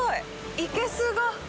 生けすが。